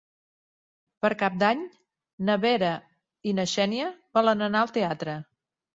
Per Cap d'Any na Vera i na Xènia volen anar al teatre.